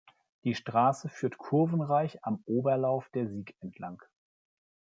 Die Straße führt kurvenreich am Oberlauf der Sieg entlang.